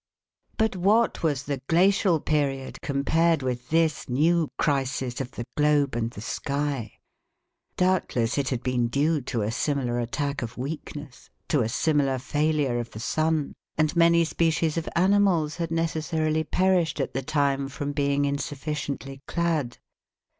But what was the glacial period compared with this new crisis of the globe and the sky? Doubtless it had been due to a similar attack of weakness, to a similar failure of the sun, and many species of animals had necessarily perished at the time, from being insufficiently clad.